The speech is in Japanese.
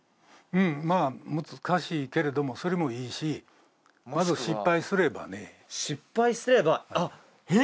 まあ難しいけれどもそれもいいしまず失敗すればね失敗すればあっえっ！